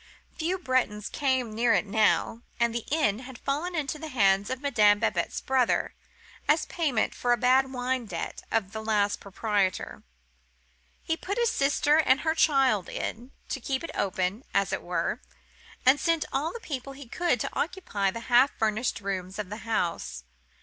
Few Bretons came near it now, and the inn had fallen into the hands of Madame Babette's brother, as payment for a bad wine debt of the last proprietor. He put his sister and her child in, to keep it open, as it were, and sent all the people he could to occupy the half furnished rooms of the house.